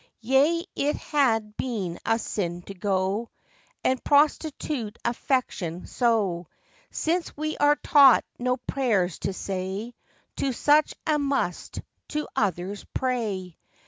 Yea it had been a sin to go And prostitute affection so, Since we are taught no prayers to say To such as must to others pray.